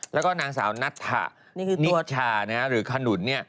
แล้วก็นางสาวนัทธานิชชาหรือขนุน